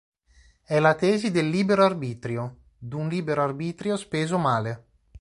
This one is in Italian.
È la tesi del libero arbitrio: d'un libero arbitrio speso male.